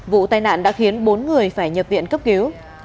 vụ tai nạn đã khiến bốn người phải nhập viện cấp cứu